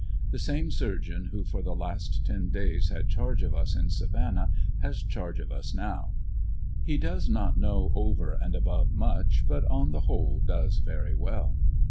The same surgeon who for the last ten days had charge of us in Savannah has charge of us now He does not know over and above much but on the whole does very well.